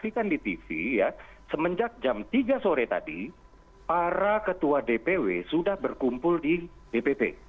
tapi kan di tv ya semenjak jam tiga sore tadi para ketua dpw sudah berkumpul di dpp